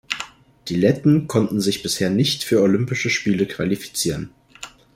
Die Letten konnten sich bisher nicht für Olympische Spiele qualifizieren.